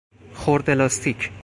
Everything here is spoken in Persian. خرده لاستیک